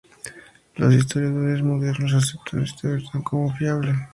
Los historiadores modernos aceptan esta versión como fiable.